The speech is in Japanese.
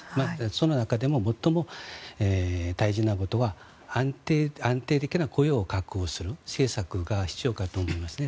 その中でも最も大事なことは安定的な雇用を確保する政策が必要かと思いますね。